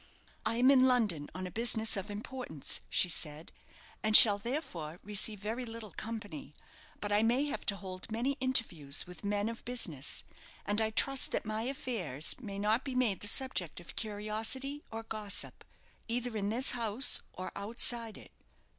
"I am in London on business of importance," she said; "and shall, therefore, receive very little company; but I may have to hold many interviews with men of business, and I trust that my affairs may not be made the subject of curiosity or gossip, either in this house or outside it."